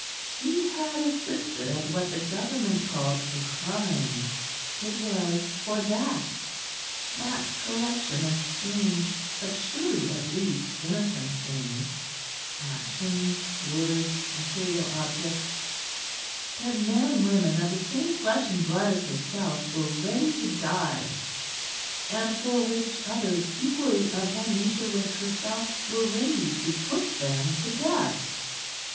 She had assisted at what the Government called a crime; it was for that that collection of strange but surely at least innocent things actions, words, material objects that men and women of the same flesh and blood as herself were ready to die; and for which others equally of one nature with herself were ready to put them to death.